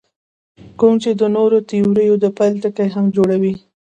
کوم چې د نورو تیوریو د پیل ټکی هم جوړوي.